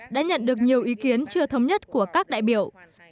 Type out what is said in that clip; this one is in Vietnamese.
đã nhận được nhiều ý kiến chưa thống nhất của các đại biểu